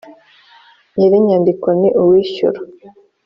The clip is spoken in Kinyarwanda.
nyir’inyandiko ni uwishyura